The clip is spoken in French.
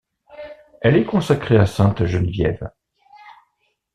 Elle est consacrée à sainte Geneviève.